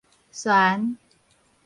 璿